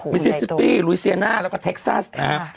มิซิสซิปปีลุยเซียน่าแล้วก็เท็กซัสนะฮะ